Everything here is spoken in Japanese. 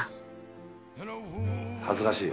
恥ずかしい。